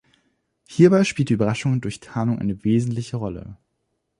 Hierbei spielt die Überraschung durch Tarnung eine wesentliche Rolle.